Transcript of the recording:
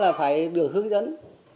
là phải được hướng dẫn